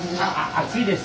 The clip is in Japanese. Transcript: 熱いです。